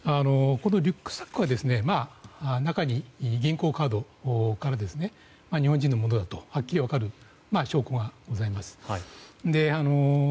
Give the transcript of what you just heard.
このリュックサックは中に銀行カード日本人のものだとはっきり分かる証拠がございます。